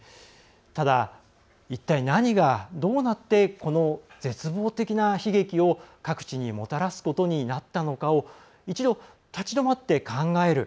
ただ一体、何がどうなってこの絶望的な悲劇を、各地にもたらすことになったのかを一度、立ち止まって考える。